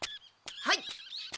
はい。